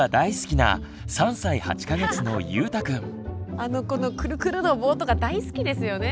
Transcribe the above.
あのこのクルクルの棒とか大好きですよね。